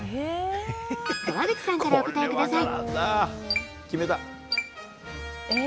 川口さんからお答えください。